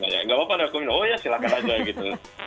nanya nggak apa apa nanti aku minum oh ya silakan aja gitu